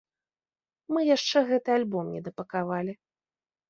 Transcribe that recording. Мы яшчэ гэты альбом недапакавалі.